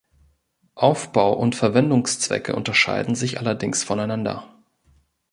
Aufbau und Verwendungszwecke unterscheiden sich allerdings voneinander.